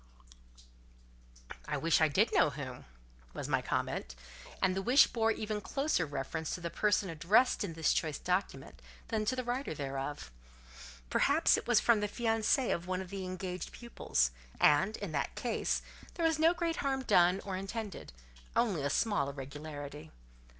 "I wish I did know whom," was my comment; and the wish bore even closer reference to the person addressed in this choice document, than to the writer thereof. Perhaps it was from the fiancé of one of the engaged pupils; and, in that case, there was no great harm done or intended—only a small irregularity.